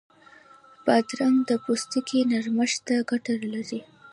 بادرنګ د پوستکي نرمښت ته ګټه لري.